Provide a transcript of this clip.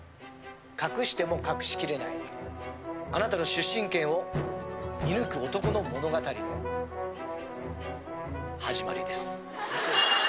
隠しても隠しきれないあなたの出身県を見抜く男の物語の始まりです。